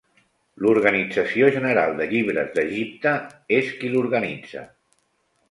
L'Organització General de Llibres d'Egipte és qui l'organitza.